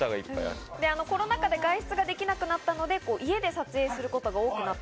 コロナ禍で外出ができなくなったので、家で撮影することが多くなった。